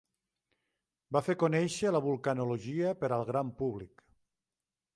Va fer conèixer la vulcanologia per al gran públic.